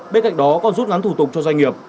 bên cạnh đó còn rút ngắn thủ tục cho doanh nghiệp